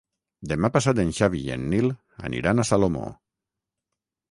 Demà passat en Xavi i en Nil aniran a Salomó.